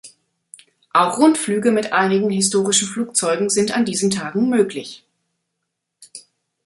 Auch Rundflüge mit einigen historischen Flugzeugen sind an diesen Tagen möglich.